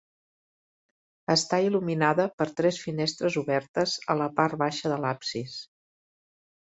Està il·luminada per tres finestres obertes a la part baixa de l'absis.